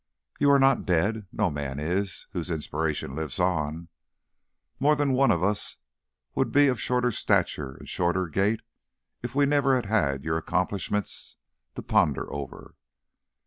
"You are not dead. No man is, whose inspiration lives on. More than one of us would be of shorter stature and shorter gait if we never had had your accomplishment to ponder over.